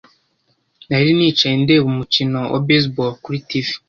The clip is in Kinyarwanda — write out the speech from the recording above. Nari nicaye ndeba umukino wa baseball kuri TV.